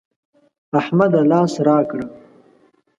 احمده! لاس راکړه.